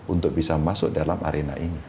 untuk bisa masuk dalam arena ini